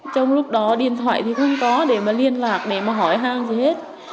trong lúc đó điện thoại thì không có để mà liên lạc để mà hỏi hang gì hết